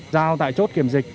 giao tại chốt kiểm dịch